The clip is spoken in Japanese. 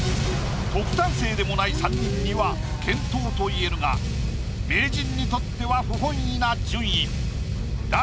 特待生でもない３人には健闘といえるが名人にとっては不本意な順位。